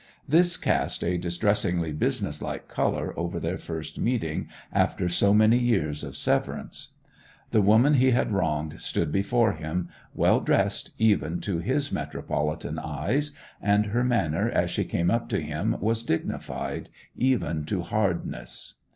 This cast a distressingly business like colour over their first meeting after so many years of severance. The woman he had wronged stood before him, well dressed, even to his metropolitan eyes, and her manner as she came up to him was dignified even to hardness.